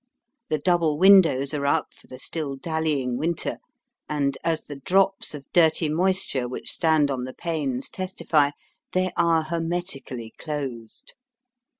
The double windows are up for the still dallying winter, and, as the drops of dirty moisture which stand on the panes testify, they are hermetically closed.